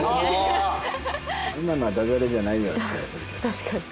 確かに。